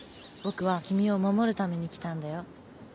僕は君を守るために来たんだよ